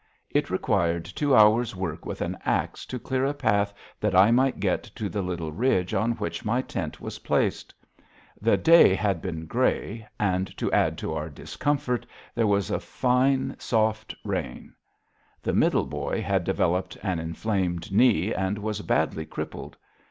It required two hours' work with an axe to clear a path that I might get to the little ridge on which my tent was placed. The day had been gray, and, to add to our discomfort, there was a soft, fine rain. The Middle Boy had developed an inflamed knee and was badly crippled.